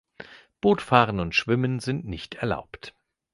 Bootfahren und schwimmen sind nicht erlaubt.